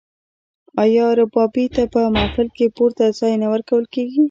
آیا ربابي ته په محفل کې پورته ځای نه ورکول کیږي؟